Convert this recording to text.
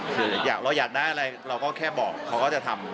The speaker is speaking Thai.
คือเราอยากได้อะไรเราก็แค่บอกเขาก็จะทำ